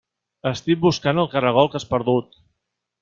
Estic buscant el caragol que has perdut.